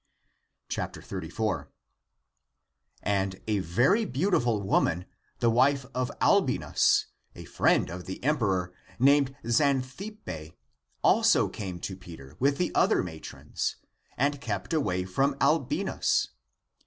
^^ 34. (5) And a very beautiful woman, the wife of Albinus,^^ a friend of the emperor, named Xan thippe,*^^ also came to Peter with the other matrons, and kept away from Albinus.